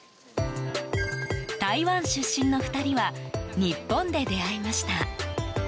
台湾出身の２人は日本で出会いました。